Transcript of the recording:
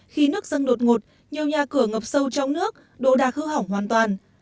khi nước dâng đột ngột nhiều nhà cửa ngập sâu trong nước đổ đạc hư hỏng hoàn toàn